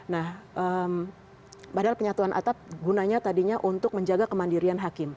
nah padahal penyatuan atap gunanya tadinya untuk menjaga kemandirian hakim